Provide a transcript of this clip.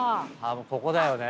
ここだよね。